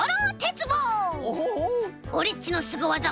オレっちのすごわざ